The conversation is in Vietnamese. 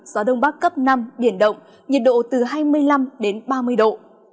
gió đông bắc cấp năm biển động nhiệt độ từ hai mươi năm đến ba mươi độ